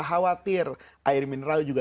khawatir air mineral juga